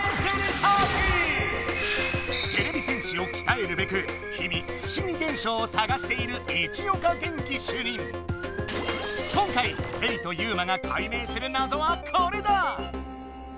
てれび戦士をきたえるべく日々不思議現象をさがしている今回レイとユウマが解明するなぞはこれだ！